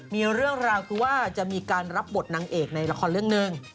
มีเรื่องราวคือว่าจะมีการรับบทนางเอกในละครเรื่องหนึ่ง